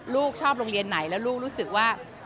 ลูกชอบโรงเรียนไหนแล้วลูกรู้สึกว่า